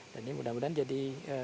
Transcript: jadi mudah mudahan jadi